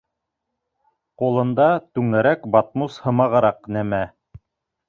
Ҡулында түңәрәк батмус һымағыраҡ нәмә.